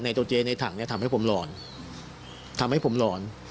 ตัวเจ๊ในถังเนี่ยทำให้ผมหลอนทำให้ผมหลอน